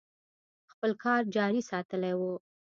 خپل کار جاري ساتلی و.